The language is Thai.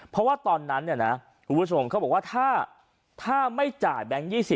เพราะว่าตอนนั้นผู้ชมเขาบอกว่าถ้าไม่จ่ายแบงค์๒๐